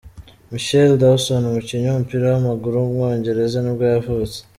Michael Dawson, umukinnyi w’umupira w’amaguru w’umwongereza nibwo yavutse.